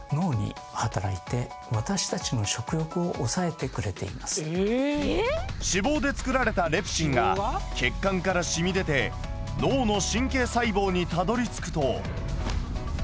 そこはなんと脂肪でつくられたレプチンが血管からしみ出て脳の神経細胞にたどりつくと。